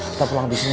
kita pulang disini ya